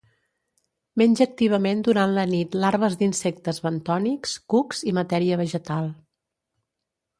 Menja activament durant la nit larves d'insectes bentònics, cucs i matèria vegetal.